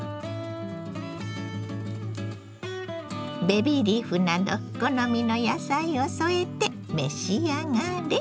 ベビーリーフなど好みの野菜を添えて召し上がれ。